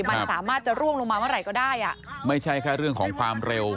มันสามารถจะร่วงลงมาเมื่อไหร่ก็ได้อ่ะไม่ใช่แค่เรื่องของความเร็ว